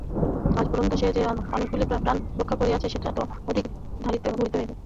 আজ পর্যন্ত সে যে অনেকগুলি প্রাণ রক্ষা করিয়াছে সেটাও তো ধরিতে হইবে?